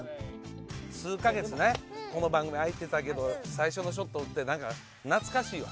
数か月ねこの番組空いてたけど最初のショット打ってなんか懐かしいわ。